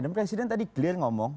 dan presiden tadi clear ngomong